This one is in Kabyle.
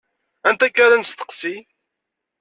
Anta akk ara nesteqsi?